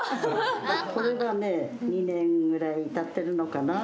これはね、２年ぐらいたってるのかな。